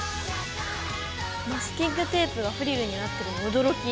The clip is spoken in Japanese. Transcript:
マスキングテープがフリルになってるの驚き！